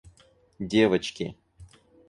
девочки